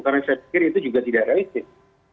karena saya pikir itu juga tidak realistik